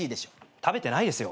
食べてないですよ。